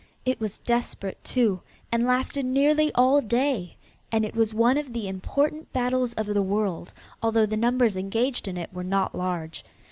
It was desperate, too, and lasted nearly all day and it was one of the important battles of the world, although the numbers engaged in it were not large.